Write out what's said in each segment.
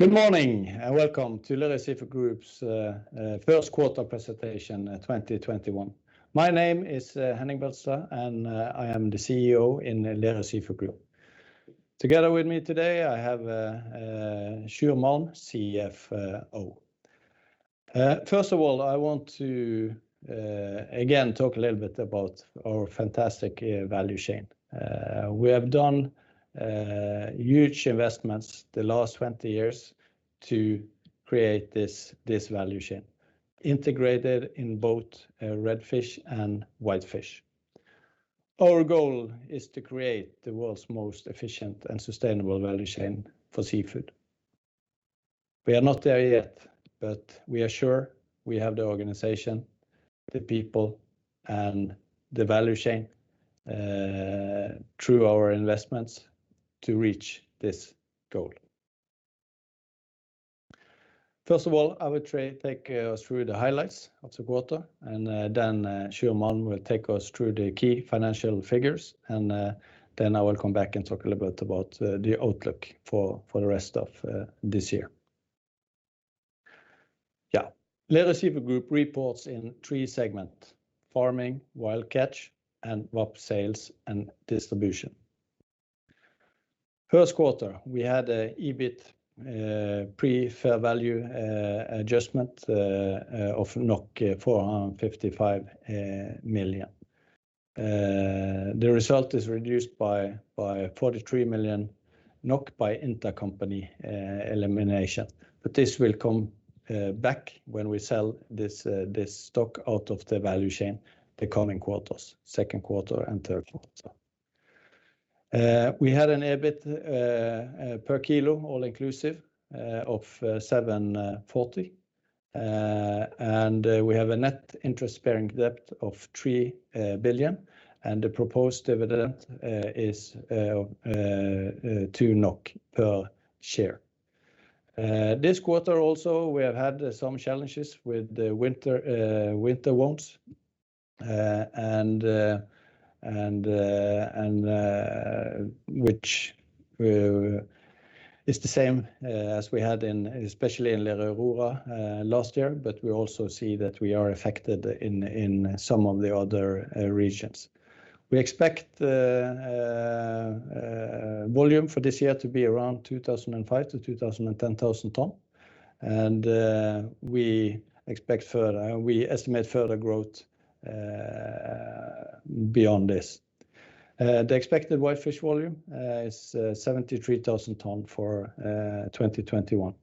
Good morning, welcome to Lerøy Seafood Group's first quarter presentation 2021. My name is Henning Beltestad, and I am the CEO in Lerøy Seafood Group. Together with me today, I have Sjur Malm, CFO. First of all, I want to, again, talk a little bit about our fantastic value chain. We have done huge investments the last 20 years to create this value chain, integrated in both red fish and white fish. Our goal is to create the world's most efficient and sustainable value chain for seafood. We are not there yet, but we are sure we have the organization, the people, and the value chain through our investments to reach this goal. First of all, I will take us through the highlights of the quarter, and then Sjur Malm will take us through the key financial figures. Then I will come back and talk a little bit about the outlook for the rest of this year. Lerøy Seafood Group reports in three segments: farming, wild catch, and VAP, Sales & Distribution. First quarter, we had EBIT pre fair value adjustment of 455 million. The result is reduced by 43 million NOK by intercompany elimination. This will come back when we sell this stock out of the value chain the coming quarters, second quarter and third quarter. We had an EBIT per kilo all inclusive of 740, and we have a net interest-bearing debt of 3 billion, and the proposed dividend is NOK 2 per share. This quarter also, we have had some challenges with the winter wounds, which is the same as we had especially in Lerøy Aurora last year, but we also see that we are affected in some of the other regions. We expect volume for this year to be around 2,005 to 2,010 ton. We estimate further growth beyond this. The expected white fish volume is 73,000 ton for 2021.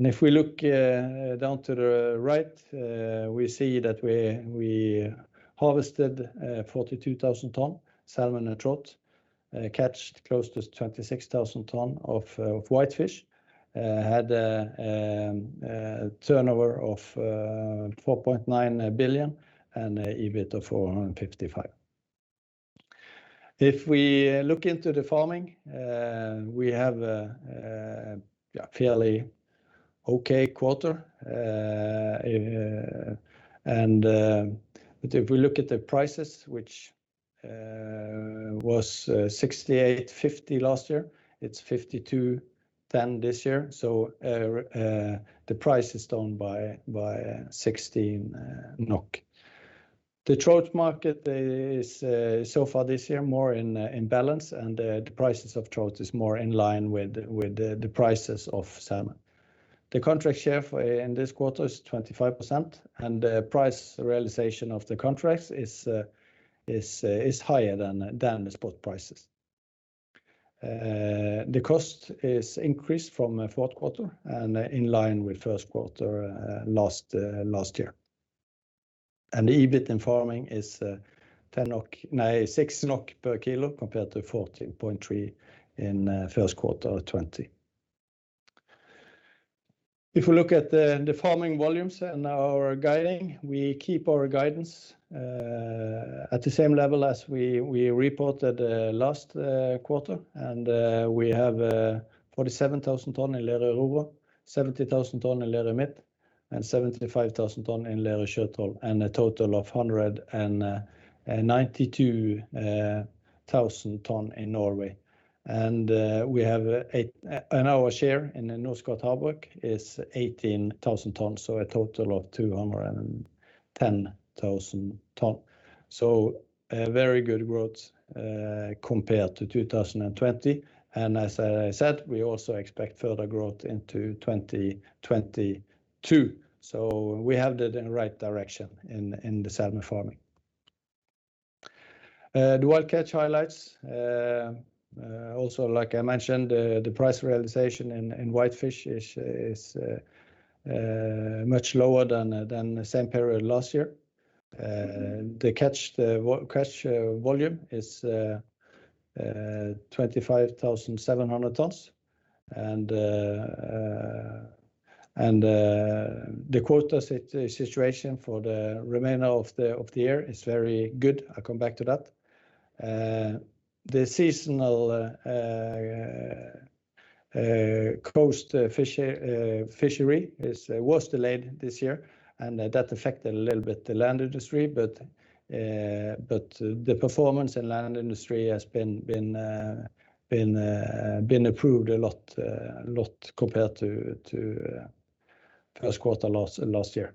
If we look down to the right, we see that we harvested 42,000 ton salmon and trout, caught close to 26,000 ton of white fish, had a turnover of 4.9 billion and an EBIT of 455. If we look into the farming, we have a fairly okay quarter. If we look at the prices, which was 68.50 last year, it is 52.10 this year. The price is down by 16 NOK. The trout market is so far this year more in balance, and the prices of trout are more in line with the prices of salmon. The contract share in this quarter is 25%, and the price realization of the contracts is higher than the spot prices. The cost is increased from Q4 and in line with Q1 last year. The EBIT in farming is NOK 6 per kilo compared to 14.3 in Q1 2020. If we look at the farming volumes and our guiding, we keep our guidance at the same level as we reported last quarter. We have 47,000 tons in Lerøy Aurora, 70,000 tons in Lerøy Midt, and 75,000 tons in Lerøy Sjøtroll, and a total of 192,000 tons in Norway. Our share in the Norskott Havbruk is 18,000 tons, a total of 210,000 tons. A very good growth compared to 2020. As I said, we also expect further growth into 2022. We have that in the right direction in the salmon farming. The wild catch highlights. Like I mentioned, the price realization in whitefish is much lower than the same period last year. The catch volume is 25,700 tons. The quota situation for the remainder of the year is very good. I'll come back to that. The seasonal coast fishery was delayed this year. That affected a little bit the land industry. The performance in land industry has been approved a lot compared to first quarter last year.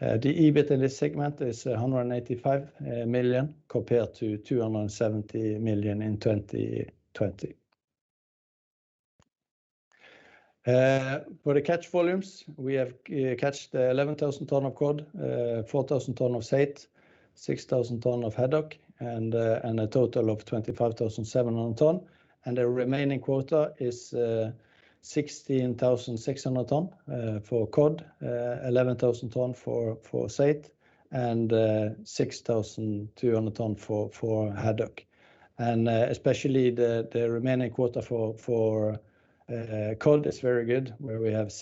The EBIT in this segment is 185 million compared to 270 million in 2020. For the catch volumes, we have caught 11,000 tons of cod, 4,000 tons of saithe, 6,000 tons of haddock, and a total of 25,700 tons. The remaining quota is 16,600 tons for cod, 11,000 tons for saithe, and 6,200 tons for haddock. Especially the remaining quota for cod is very good, where we have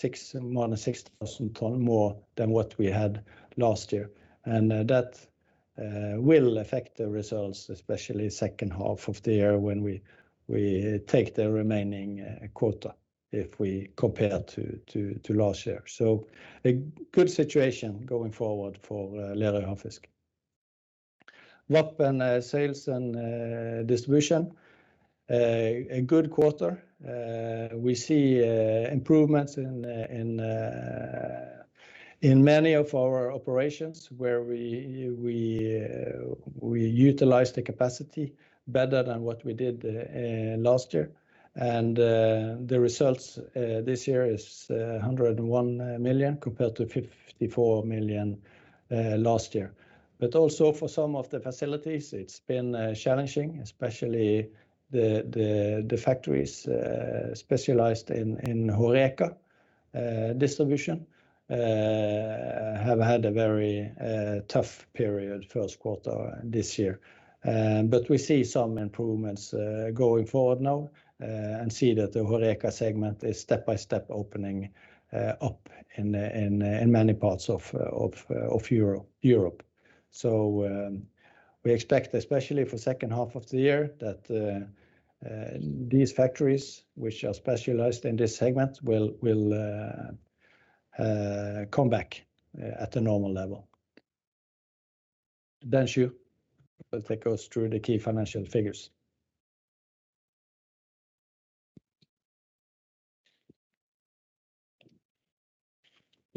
more than 6,000 ton more than what we had last year. That will affect the results, especially second half of the year when we take the remaining quota if we compare to last year. A good situation going forward for Lerøy Havfisk. Sales and distribution. A good quarter. We see improvements in many of our operations where we utilize the capacity better than what we did last year. The results this year is 101 million compared to 54 million last year. Also for some of the facilities, it's been challenging, especially the factories specialized in HoReCa distribution have had a very tough period first quarter this year. We see some improvements going forward now and see that the HoReCa segment is step by step opening up in many parts of Europe. We expect especially for second half of the year that these factories which are specialized in this segment will come back at a normal level. Sjur Malm will take us through the key financial figures.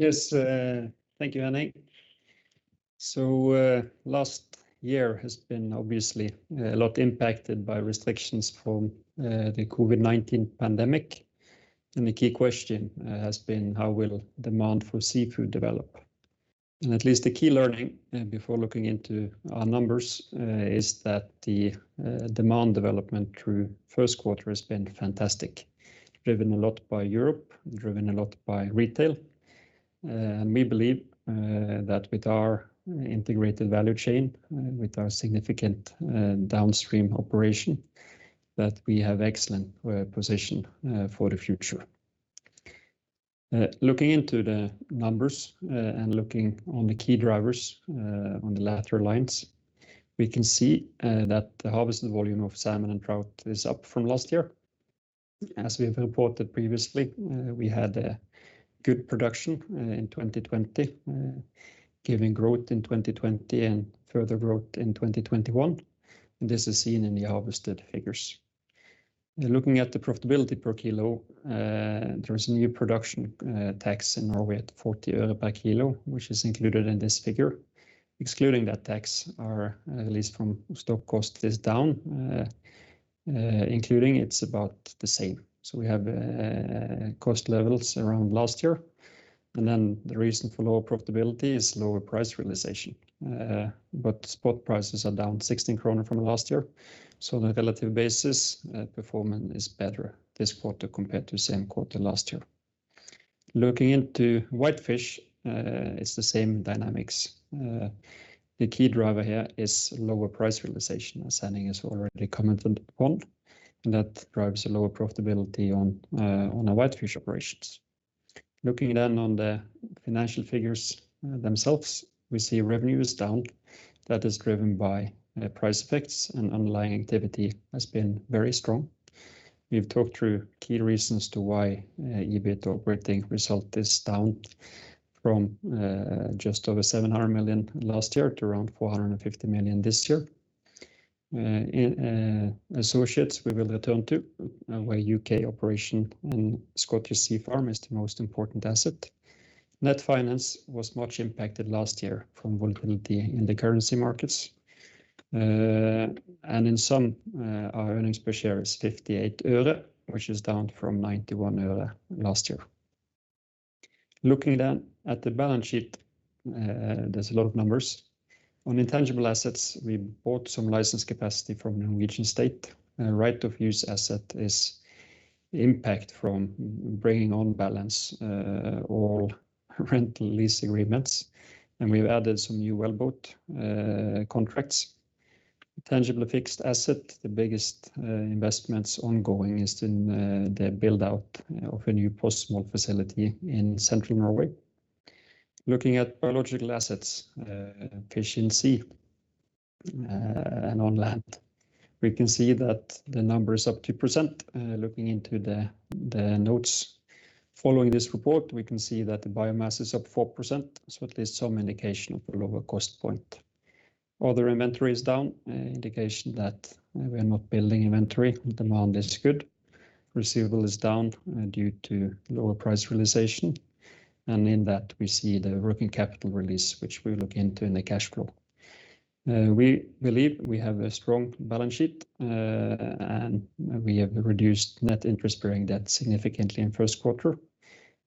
Yes, thank you, Henning. Last year has been obviously a lot impacted by restrictions from the COVID-19 pandemic. The key question has been how will demand for seafood develop? At least the key learning before looking into our numbers is that the demand development through first quarter has been fantastic. Driven a lot by Europe, driven a lot by retail. We believe that with our integrated value chain, with our significant downstream operation, that we have excellent position for the future. Looking into the numbers and looking on the key drivers on the latter lines, we can see that the harvested volume of salmon and trout is up from last year. As we have reported previously, we had a good production in 2020, giving growth in 2020 and further growth in 2021. This is seen in the harvested figures. Looking at the profitability per kilo, there is a new production tax in Norway at 0.40 per kilo, which is included in this figure. Excluding that tax, our release from stock cost is down. Including it's about the same. We have cost levels around last year. The reason for lower profitability is lower price realization. Spot prices are down 16 krone from last year. On a relative basis, performance is better this quarter compared to same quarter last year. Looking into whitefish, it's the same dynamics. The key driver here is lower price realization, as Henning has already commented upon, and that drives a lower profitability on our whitefish operations. Looking then on the financial figures themselves, we see revenue is down. That is driven by price effects and underlying activity has been very strong. We've talked through key reasons to why EBIT operating result is down from just over 700 million last year to around 450 million this year. Associates we will return to. Our U.K. operation in Scottish Sea Farms is the most important asset. Net finance was much impacted last year from volatility in the currency markets. In sum, our earnings per share is NOK 0.58, which is down from NOK 0.91 last year. Looking at the balance sheet, there's a lot of numbers. On intangible assets, we bought some license capacity from the Norwegian state. Right of use asset is impact from bringing on balance all rental lease agreements. We've added some new wellboat contracts. Tangible fixed asset, the biggest investments ongoing is in the build-out of a new post-smolt facility in central Norway. Looking at biological assets, fish in sea and on land. We can see that the number is up 2%. Looking into the notes following this report, we can see that the biomass is up 4%, so at least some indication of a lower cost point. Other inventory is down, an indication that we are not building inventory. Demand is good. Receivable is down due to lower price realization. In that, we see the working capital release, which we look into in the cash flow. We believe we have a strong balance sheet. We have reduced net interest-bearing debt significantly in first quarter.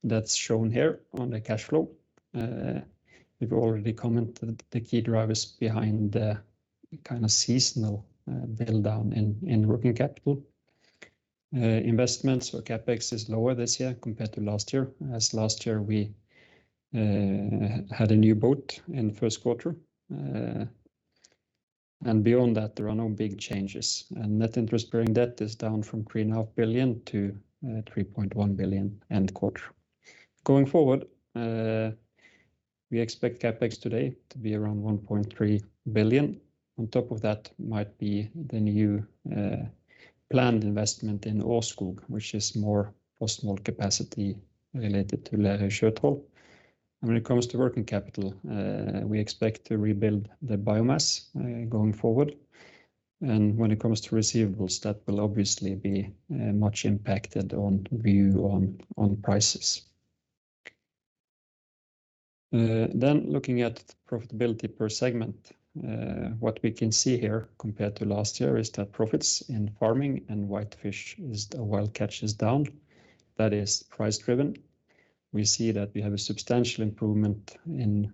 That's shown here on the cash flow. We've already commented the key drivers behind the seasonal build down in working capital. Investments or CapEx is lower this year compared to last year, as last year we had a new boat in first quarter. Beyond that, there are no big changes. Net interest-bearing debt is down from 3.5 billion to 3.1 billion end quarter. Going forward, we expect CapEx today to be around 1.3 billion. On top of that might be the new planned investment in Årskog, which is more post-smolt capacity related to Lerøy Sjøtroll. When it comes to working capital, we expect to rebuild the biomass going forward. When it comes to receivables, that will obviously be much impacted on view on prices. Looking at profitability per segment. What we can see here compared to last year is that profits in farming and whitefish, as wild catch is down. That is price driven. We see that we have a substantial improvement in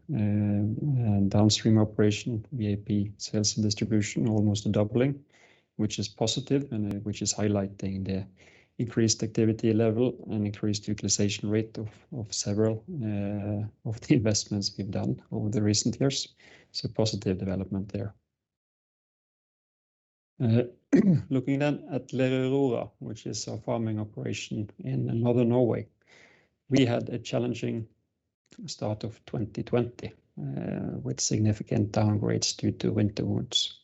downstream operation, VAP, Sales & Distribution, almost a doubling, which is positive and which is highlighting the increased activity level and increased utilization rate of several of the investments we've done over the recent years. Positive development there. Looking at Lerøy Aurora, which is our farming operation in Northern Norway. We had a challenging start of 2020 with significant downgrades due to winter wounds.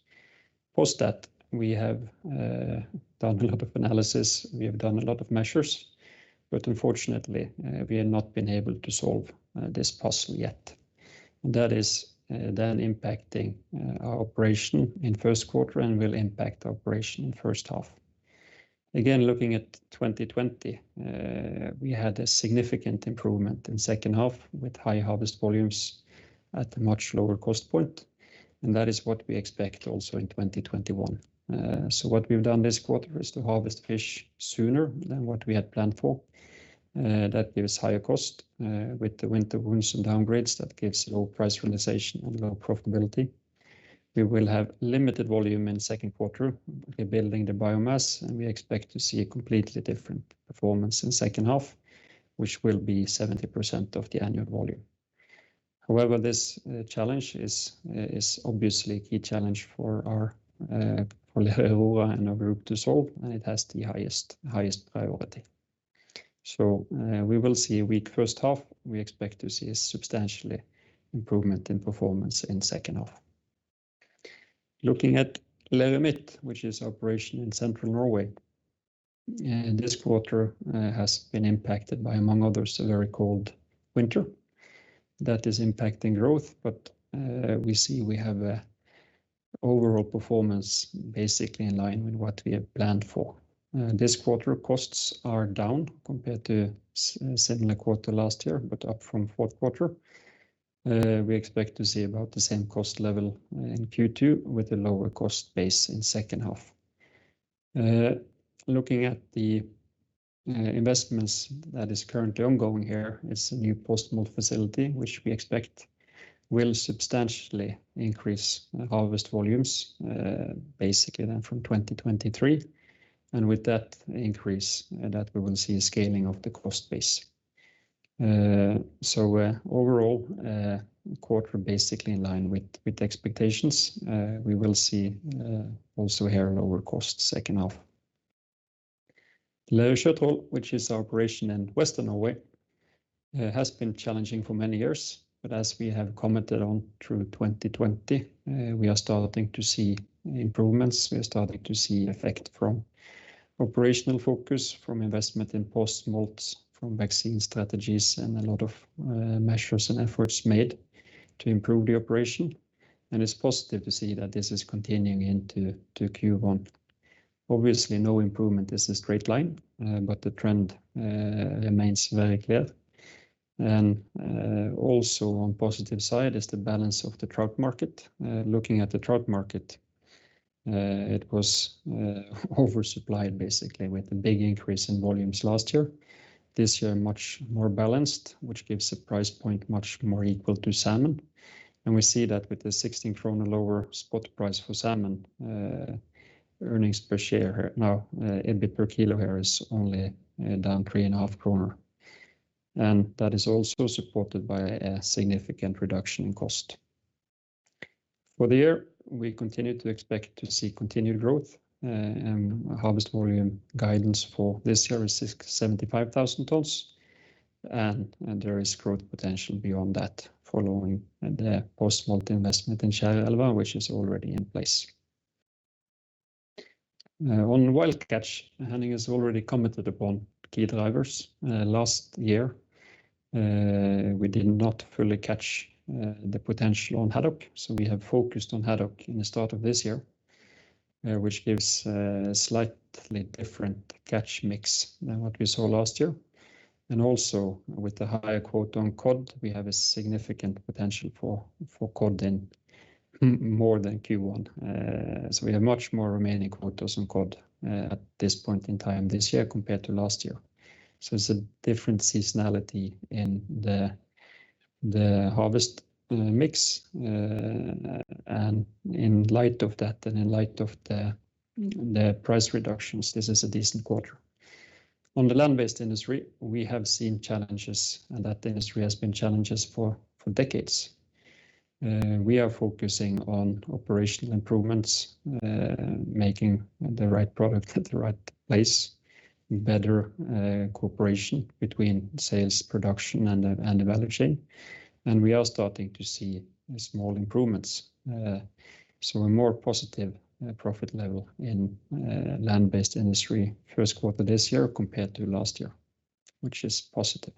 Post that, we have done a lot of analysis, we have done a lot of measures, but unfortunately, we have not been able to solve this puzzle yet. That is then impacting our operation in first quarter and will impact operation in first half. Looking at 2020, we had a significant improvement in second half with high harvest volumes at a much lower cost point, and that is what we expect also in 2021. What we've done this quarter is to harvest fish sooner than what we had planned for. That gives higher cost. With the winter wounds and downgrades, that gives low price realization and low profitability. We will have limited volume in second quarter. We're building the biomass, and we expect to see a completely different performance in second half, which will be 70% of the annual volume. However, this challenge is obviously a key challenge for Lerøy Aurora and our group to solve, and it has the highest priority. We will see a weak first half. We expect to see a substantial improvement in performance in second half. Looking at Lerøy Midt, which is operation in central Norway. This quarter has been impacted by, among others, a very cold winter. That is impacting growth, but we see we have overall performance basically in line with what we have planned for. This quarter, costs are down compared to similar quarter last year, but up from fourth quarter. We expect to see about the same cost level in Q2 with a lower cost base in second half. Looking at the investments that is currently ongoing here, it's a new post-smolt facility, which we expect will substantially increase harvest volumes basically then from 2023. With that increase, that we will see a scaling of the cost base. Overall, quarter basically in line with expectations. We will see also here a lower cost second half. Lerøy Sjøtroll, which is our operation in western Norway, has been challenging for many years, but as we have commented on through 2020, we are starting to see improvements. We are starting to see effect from operational focus, from investment in post-smolt, from vaccine strategies, and a lot of measures and efforts made to improve the operation. It's positive to see that this is continuing into Q1. Obviously, no improvement is a straight line, but the trend remains very clear. Also on positive side is the balance of the trout market. Looking at the trout market, it was oversupplied basically with a big increase in volumes last year. This year, much more balanced, which gives a price point much more equal to salmon. We see that with the 16 krone lower spot price for salmon, earnings per share now, EBIT per kilo here is only down 3.5 kroner. That is also supported by a significant reduction in cost. For the year, we continue to expect to see continued growth, and harvest volume guidance for this year is 75,000 tons. There is growth potential beyond that following the post-smolt investment in Kjærelva, which is already in place. On wild catch, Henning has already commented upon key drivers. Last year, we did not fully catch the potential on haddock, so we have focused on haddock in the start of this year, which gives a slightly different catch mix than what we saw last year. Also with the higher quote on cod, we have a significant potential for cod more than Q1. We have much more remaining quotas on cod at this point in time this year compared to last year. It's a different seasonality in the harvest mix. In light of that and in light of the price reductions, this is a decent quarter. On the land-based industry, we have seen challenges, and that industry has been challenged for decades. We are focusing on operational improvements, making the right product at the right place, better cooperation between sales, production, and the value chain. We are starting to see small improvements. A more positive profit level in land-based industry first quarter this year compared to last year, which is positive.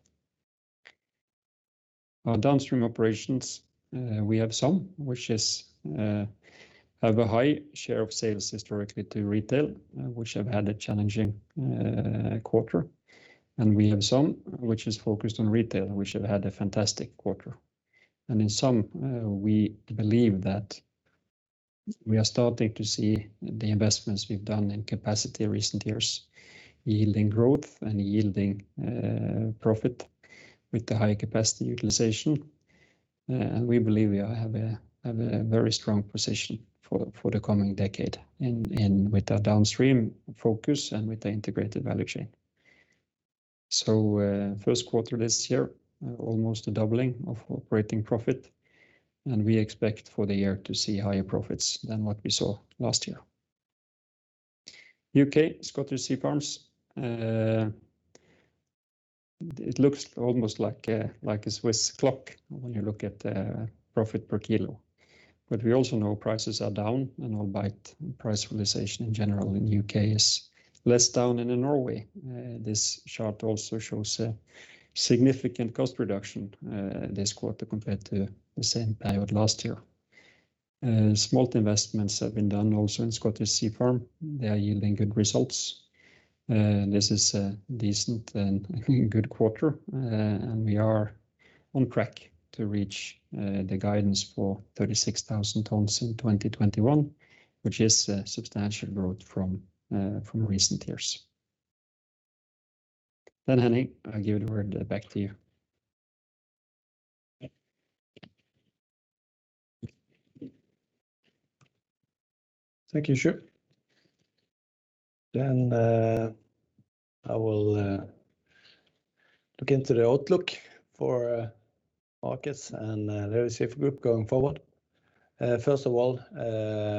Our downstream operations, we have some which have a high share of sales historically to retail, which have had a challenging quarter. We have some which is focused on retail, which have had a fantastic quarter. In some, we believe that we are starting to see the investments we've done in capacity recent years yielding growth and yielding profit with the high capacity utilization. We believe we have a very strong position for the coming decade with our downstream focus and with the integrated value chain. First quarter this year, almost a doubling of operating profit, and we expect for the year to see higher profits than what we saw last year. U.K., Scottish Sea Farms. It looks almost like a Swiss clock when you look at the profit per kilo. We also know prices are down and albeit price realization in general in U.K. is less down than in Norway. This chart also shows a significant cost reduction this quarter compared to the same period last year. Smolt investments have been done also in Scottish Sea Farms. They are yielding good results. This is a decent and good quarter, and we are on track to reach the guidance for 36,000 tonnes in 2021, which is substantial growth from recent years. Henning, I give the word back to you. Thank you, Sjur. I will look into the outlook for markets and Lerøy Seafood Group going forward. First of all,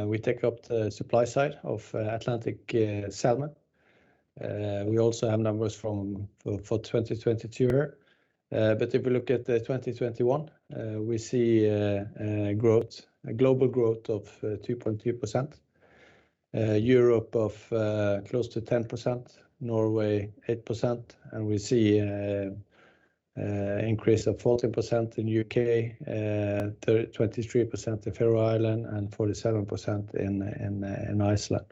we take up the supply side of Atlantic salmon. We also have numbers for 2022 here. If we look at 2021, we see a global growth of 2.2%, Europe of close to 10%, Norway 8%, and we see increase of 14% in U.K., 23% in Faroe Islands, and 47% in Iceland.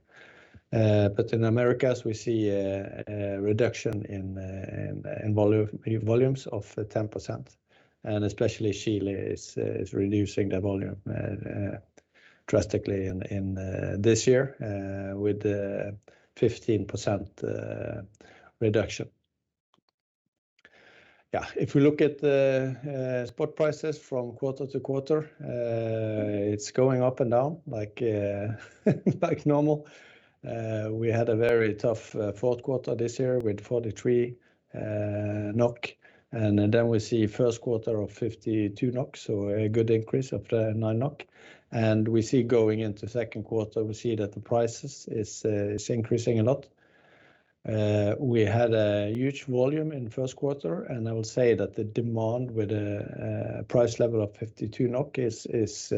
In Americas, we see a reduction in volumes of 10%, and especially Chile is reducing their volume drastically in this year with a 15% reduction. If we look at the spot prices from quarter to quarter, it's going up and down like normal. We had a very tough fourth quarter this year with 43 NOK, and then we see first quarter of 52 NOK, so a good increase of 9 NOK. Going into second quarter, we see that the prices is increasing a lot. We had a huge volume in first quarter, I will say that the demand with a price level of NOK 52 is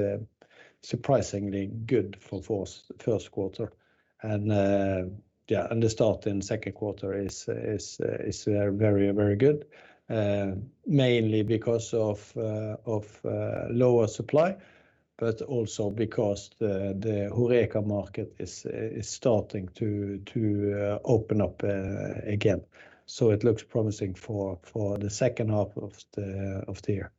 surprisingly good for first quarter. The start in second quarter is very good, mainly because of lower supply, but also because the HoReCa market is starting to open up again. It looks promising for the second half of the year.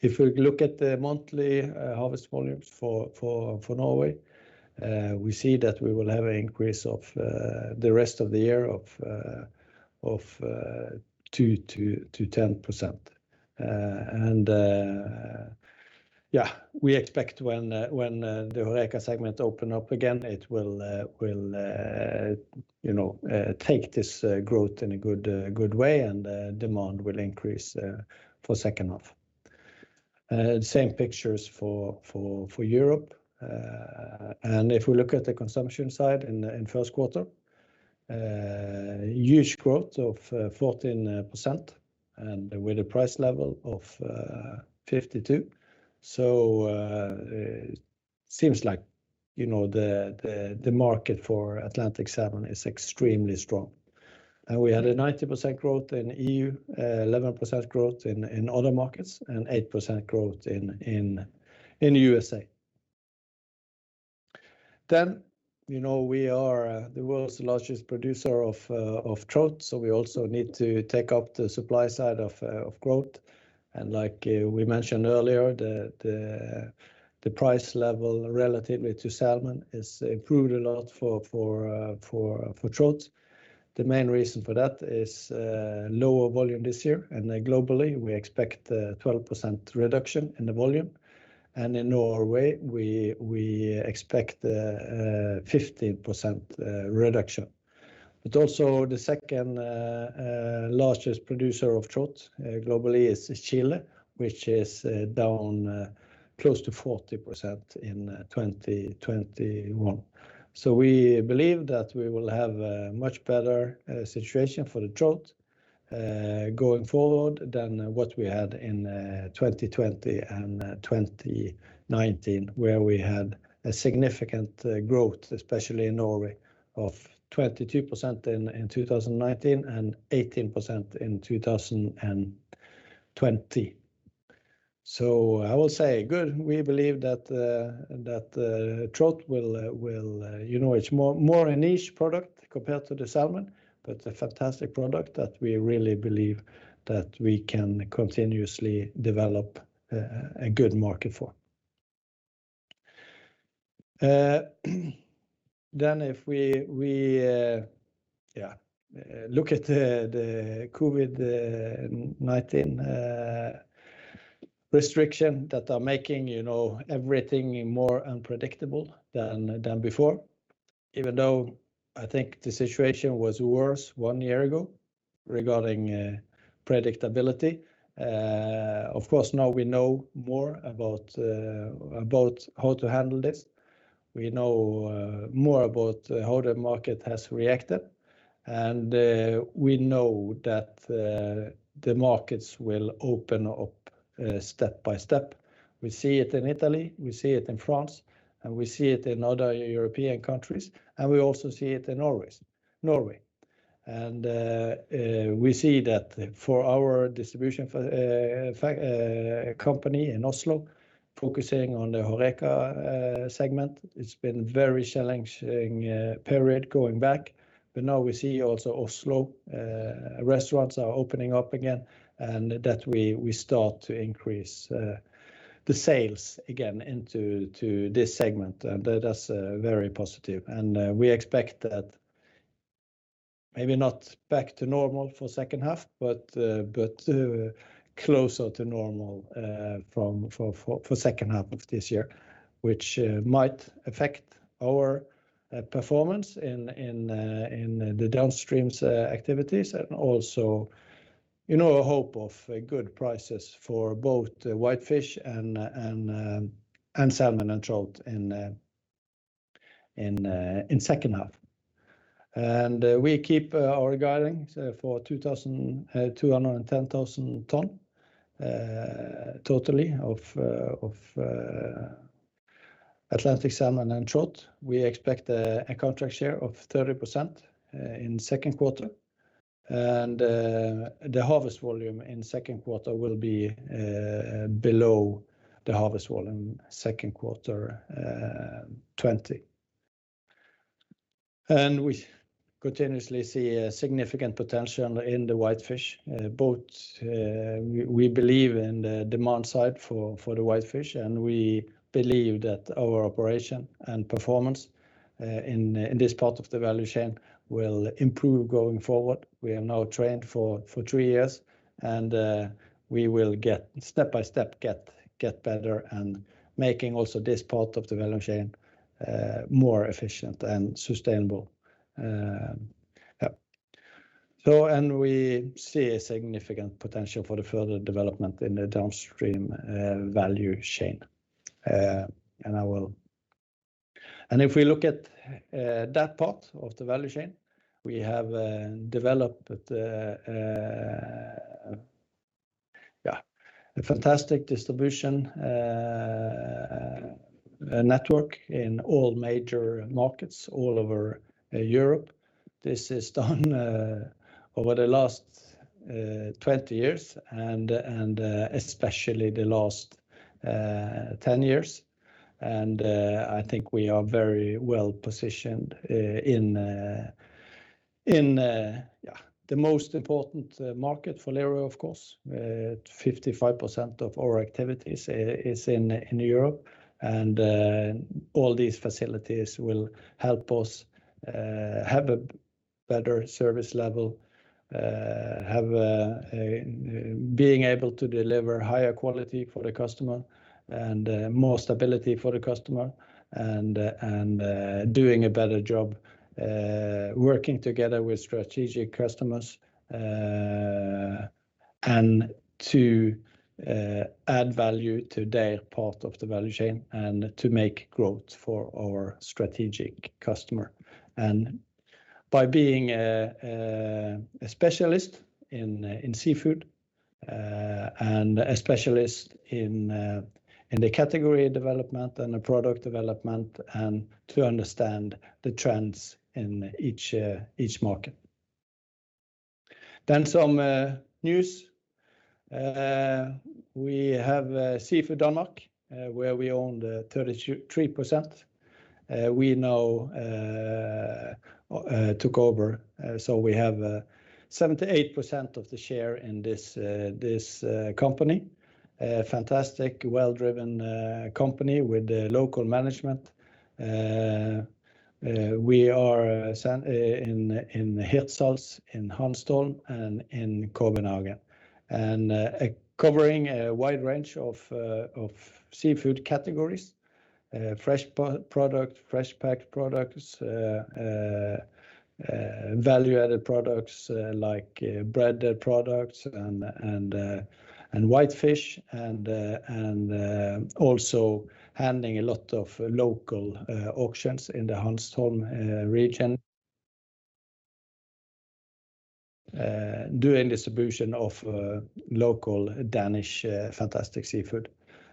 If we look at the monthly harvest volumes for Norway, we see that we will have an increase of the rest of the year of 2%-10%. We expect when the HoReCa segment open up again, it will take this growth in a good way and demand will increase for second half. Same pictures for Europe. If we look at the consumption side in first quarter, huge growth of 14%, and with a price level of 52. It seems like the market for Atlantic salmon is extremely strong. We had a 90% growth in EU, 11% growth in other markets, and 8% growth in USA. We are the world's largest producer of trout, so we also need to take up the supply side of growth. Like we mentioned earlier, the price level relative to salmon has improved a lot for trout. The main reason for that is lower volume this year, and globally, we expect a 12% reduction in the volume. In Norway, we expect a 15% reduction. Also the second-largest producer of trout globally is Chile, which is down close to 40% in 2021. We believe that we will have a much better situation for the trout going forward than what we had in 2020 and 2019, where we had a significant growth, especially in Norway, of 22% in 2019 and 18% in 2020. I will say good. We believe that trout will. It's more a niche product compared to the salmon, but a fantastic product that we really believe that we can continuously develop a good market for. If we look at the COVID-19 restriction that are making everything more unpredictable than before, even though I think the situation was worse one year ago regarding predictability. Of course, now we know more about how to handle this. We know more about how the market has reacted, and we know that the markets will open up step by step. We see it in Italy, we see it in France, we see it in other European countries, we also see it in Norway. We see that for our distribution company in Oslo, focusing on the HoReCa segment, it's been a very challenging period going back. Now we see also Oslo restaurants are opening up again, and that we start to increase the sales again into this segment. That's very positive, and we expect that maybe not back to normal for second half, but closer to normal for second half of this year, which might affect our performance in the downstream activities. Also, hope of good prices for both whitefish and salmon and trout in second half. We keep our guiding for 210,000 tons totally of Atlantic salmon and trout. We expect a contract share of 30% in second quarter, the harvest volume in the second quarter will be below the harvest volume second quarter 2020. We continuously see a significant potential in the white fish. Both we believe in the demand side for the white fish, and we believe that our operation and performance in this part of the value chain will improve going forward. We are now trained for three years, and we will step by step get better and making also this part of the value chain more efficient and sustainable. Yep. We see a significant potential for the further development in the downstream value chain. If we look at that part of the value chain, we have developed a fantastic distribution network in all major markets all over Europe. This is done over the last 20 years and especially the last 10 years. I think we are very well-positioned in the most important market for Lerøy, of course. 55% of our activities is in Europe, all these facilities will help us have a better service level, being able to deliver higher quality for the customer and more stability for the customer and doing a better job working together with strategic customers and to add value to their part of the value chain and to make growth for our strategic customer. By being a specialist in seafood and a specialist in the category development and the product development and to understand the trends in each market. Some news. We have Seafood Danmark, where we own 33%. We now took over, we have 78% of the share in this company. A fantastic, well-driven company with local management. Covering a wide range of seafood categories, fresh products, fresh packed products, value-added products like breaded products and whitefish, and also handling a lot of local auctions in the Hanstholm region, doing distribution of local Danish fantastic seafood.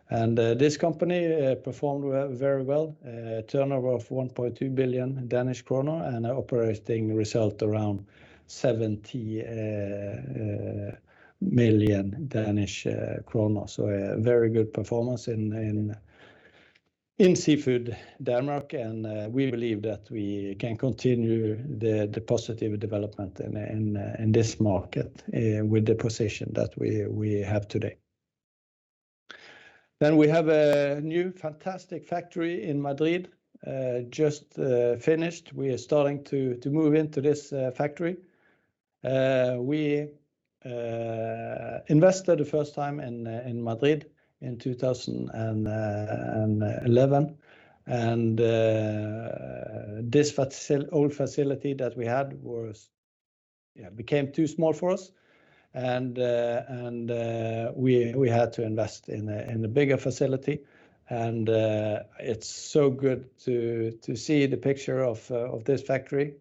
This company performed very well. Turnover of 1.2 billion Danish krone and an operating result around 70 million Danish krone. A very good performance in Seafood Danmark, and we believe that we can continue the positive development in this market with the position that we have today. We have a new fantastic factory in Madrid, just finished. We are starting to move into this factory. We invested the first time in Madrid in 2011, and this old facility that we had became too small for us and we had to invest in a bigger facility, and it's so good to see the picture of this factory.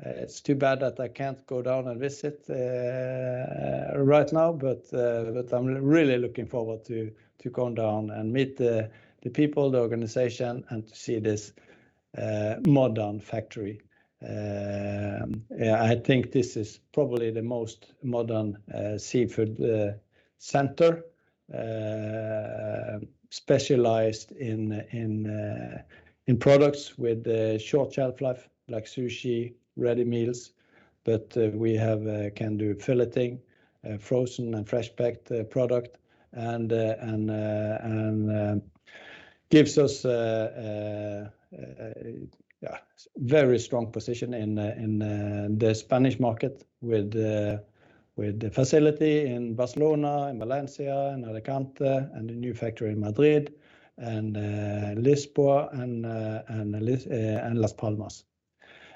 It's too bad that I can't go down and visit right now, but I'm really looking forward to going down and meet the people, the organization, and to see this modern factory. I think this is probably the most modern seafood center, specialized in products with a short shelf life like sushi, ready meals, but we have can do filleting frozen and fresh packed product and gives us a very strong position in the Spanish market with the facility in Barcelona, in Valencia, in Alicante, and the new factory in Madrid and Lisboa and Las Palmas.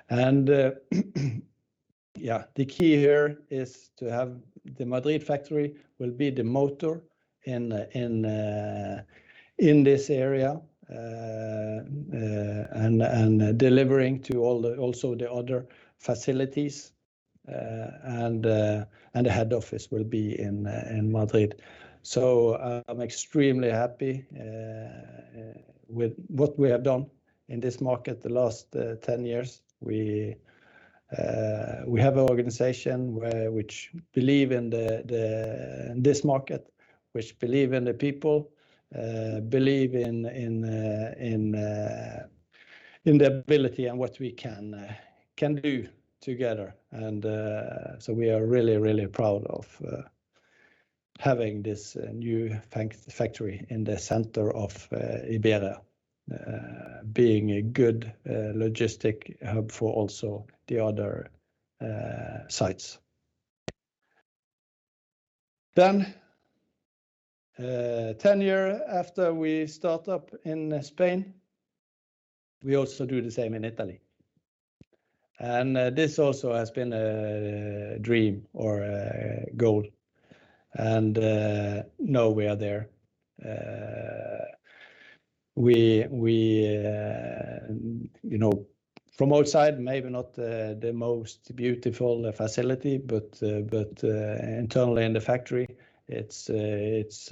The key here is to have the Madrid factory will be the motor in this area and delivering to also the other facilities, and the head office will be in Madrid. I'm extremely happy with what we have done in this market the last 10 years. We have an organization which believe in this market, which believe in the people, believe in the ability and what we can do together, we are really, really proud of having this new factory in the center of Iberia, being a good logistic hub for also the other sites. 10 year after we start up in Spain, we also do the same in Italy, this also has been a dream or a goal, and now we are there. From outside maybe not the most beautiful facility, but internally in the factory, it's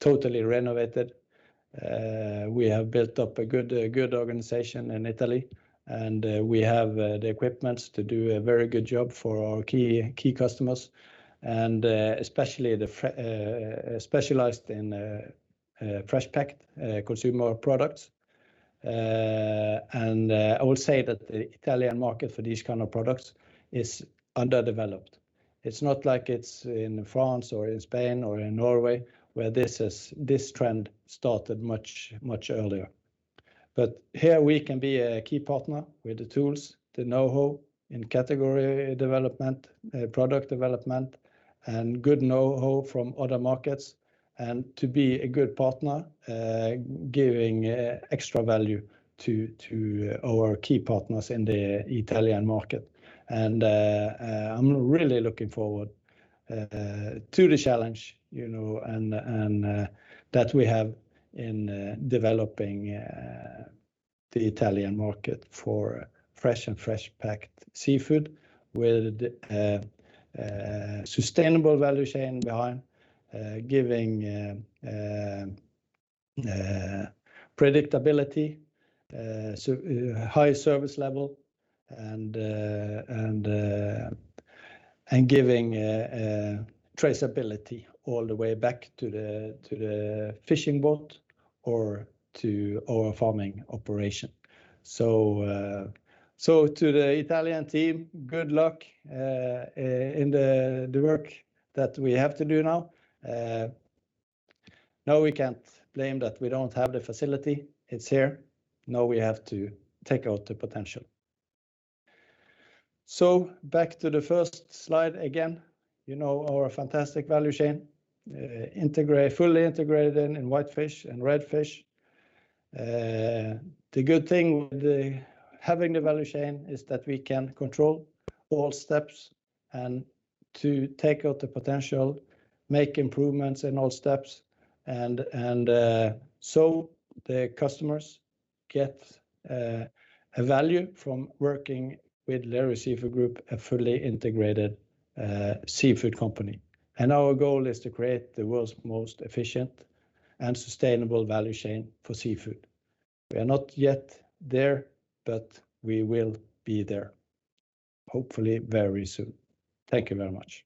totally renovated. We have built up a good organization in Italy, and we have the equipment to do a very good job for our key customers and especially specialized in fresh packed consumer products. I would say that the Italian market for these kinds of products is underdeveloped. It's not like it's in France or in Spain or in Norway, where this trend started much earlier. Here we can be a key partner with the tools, the knowhow in category development, product development, and good knowhow from other markets and to be a good partner giving extra value to our key partners in the Italian market. I'm really looking forward to the challenge that we have in developing the Italian market for fresh and fresh packed seafood with sustainable value chain behind, giving predictability, high service level, and giving traceability all the way back to the fishing boat or to our farming operation. To the Italian team, good luck in the work that we have to do now. Now we can't blame that we don't have the facility. It's here. Now we have to take out the potential. Back to the first slide again. Our fantastic value chain, fully integrated in whitefish and red fish. The good thing with having the value chain is that we can control all steps and to take out the potential, make improvements in all steps, and so the customers get a value from working with Lerøy Seafood Group, a fully integrated seafood company. Our goal is to create the world's most efficient and sustainable value chain for seafood. We are not yet there, but we will be there hopefully very soon. Thank you very much.